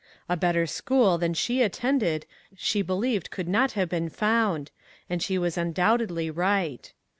A better school than she attended she believed could not have been found, and she was undoubtedly right.